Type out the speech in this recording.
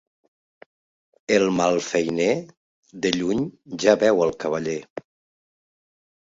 El malfeiner, de lluny, ja veu el cavaller.